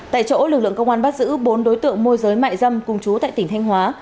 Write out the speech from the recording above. tại chỗ lực lượng công an bắt giữ bốn đối tượng môi giới mại dâm cùng chú tại tỉnh thanh hóa